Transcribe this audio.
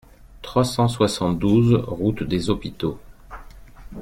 trois cent soixante-douze route des Hôpitaux